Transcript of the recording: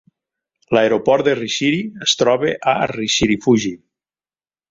L'aeroport de Rishiri es troba a Rishirifuji.